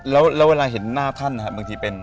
แล้วเวลาเห็นหน้าท่านบางทีเป็น